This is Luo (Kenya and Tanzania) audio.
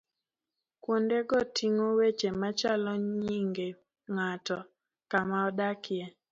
Kuondego ting'o weche machalo nyinge ng'ato, kama odakie